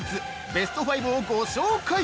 ベスト５をご紹介！